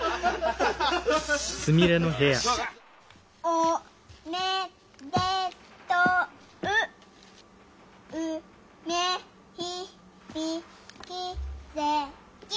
おめでとううめひびきぜき。